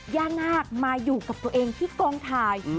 ย่านาคมาอยู่กับตัวเองที่กองถ่าย